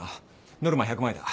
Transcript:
ノルマ１００枚だ。